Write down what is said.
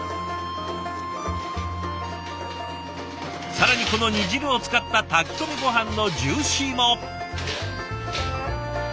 更にこの煮汁を使った炊き込みごはんのジューシーも！